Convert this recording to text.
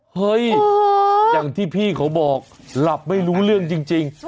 เฮ้ยอย่างที่พี่เขาบอกหลับไม่รู้เรื่องจริง